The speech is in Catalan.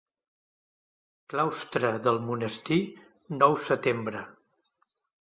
Claustre del Monestir, nou setembre.